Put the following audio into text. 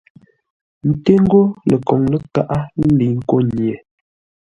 Ńté ńgó ləkoŋ-lə́kaʼá lə́ lə̌i nkô nye.